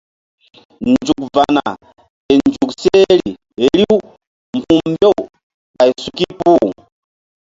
Nzuk va̧ na ke nzuk seh ri riw mbu̧h mbew ɓay suki puh.